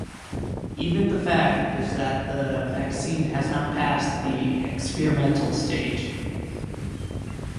Even the fact is that the vaccine has not passed the experimental stage.